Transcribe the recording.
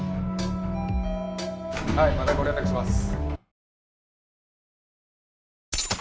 はいまたご連絡します